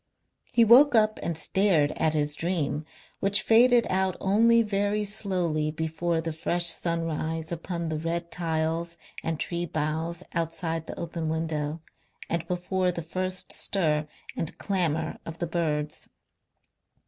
He woke up and stared at his dream, which faded out only very slowly before the fresh sun rise upon the red tiles and tree boughs outside the open window, and before the first stir and clamour of the birds.